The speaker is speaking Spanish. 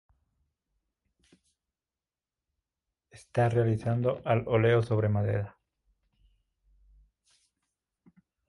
Está realizado al óleo sobre madera.